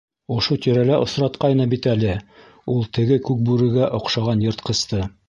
Ошо тирәлә осратҡайны бит әле ул теге Күкбүрегә оҡшаған йыртҡысты.